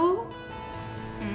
lo tuh kenapa sih